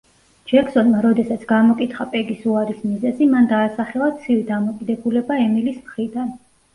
ჯექსონმა როდესაც გამოკითხა პეგის უარის მიზეზი, მან დაასახელა ცივი დამოკიდებულება ემილის მხრიდან.